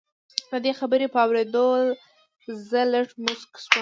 د دې خبرې په اورېدو زه لږ موسک شوم